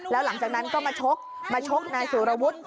แล้วหลังจากนั้นก็มาชกนายสุรวรรพุทธ